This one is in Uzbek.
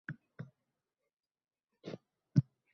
Isyon she’ri